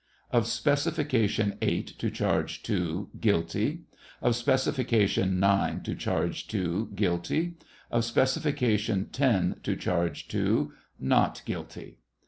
Of specification eight to charge II, "guilty." Of specification nine to charge II, " guilty." Of specification ten to charge II, " not guilty."